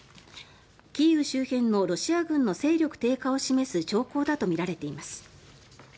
キーウ周辺のロシア軍の勢力低下を示す兆候だとみられています。